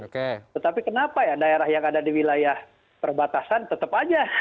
tetapi kenapa ya daerah yang ada di wilayah perbatasan tetap aja